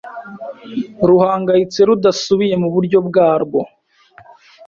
ruhangayitse rudasubiye muburyo bwarwo